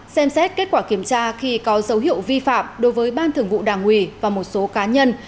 xem xét kết quả kiểm tra khi có dấu hiệu vi phạm đối với ban thường vụ đảng ủy và một số cá nhân